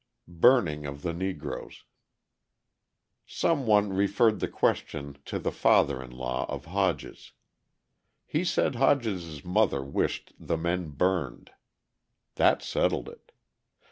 Burning of the Negroes Some one referred the question to the father in law of Hodges. He said Hodges's mother wished the men burned. That settled it.